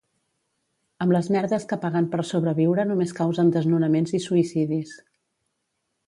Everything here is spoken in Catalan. Amb les merdes que paguen per sobreviure només causen desnonaments i suïcidis